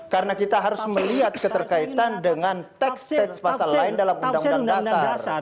karena kita harus melihat keterkaitan dengan teks teks pasal lain dalam undang undang dasar